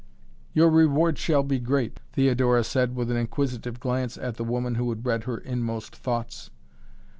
"Your reward shall be great," Theodora said with an inquisitive glance at the woman who had read her inmost thoughts.